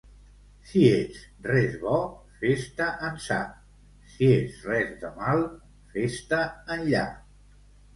Si ets res bo, fes-te ençà; si ets res de mal, fes-te enllà.